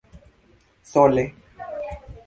sole